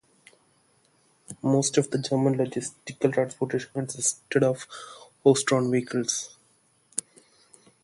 Most of the German logistical transport consisted of horse-drawn vehicles.